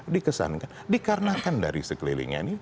dikesankan dikarenakan dari sekelilingnya ini